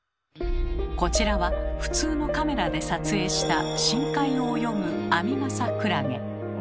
こちらは普通のカメラで撮影した深海を泳ぐアミガサクラゲ。